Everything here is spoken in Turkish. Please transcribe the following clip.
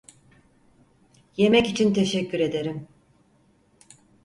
Yemek için teşekkür ederim.